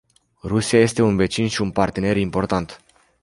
Rusia este un vecin și un partener important.